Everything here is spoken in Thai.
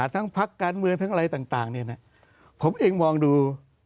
ทั้งภาคการเมืองอะไรต่างผมเองมองดู